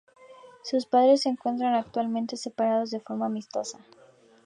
Sus padres se encuentran actualmente separados de forma amistosa.